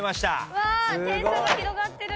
うわ点差が広がってる。